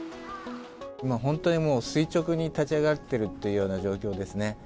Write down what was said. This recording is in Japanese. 今本当にもう、垂直に立ち上がっているというような状況ですね。